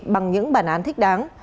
bằng những bản án thích đáng